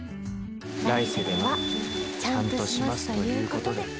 ２人：来世ではちゃんとしますということで